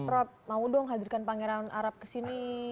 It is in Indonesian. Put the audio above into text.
prap mau dong hadirkan pangeran arab kesini